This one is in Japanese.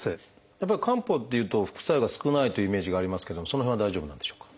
やっぱり漢方っていうと副作用が少ないというイメージがありますけどもその辺は大丈夫なんでしょうか？